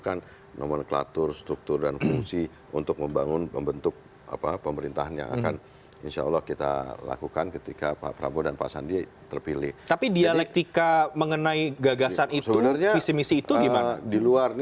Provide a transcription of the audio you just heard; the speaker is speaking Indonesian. kami harus break terlebih dahulu